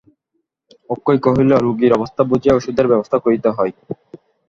অক্ষয় কহিল, রোগীর অবস্থা বুঝিয়া ঔষধের ব্যবস্থা করিতে হয়।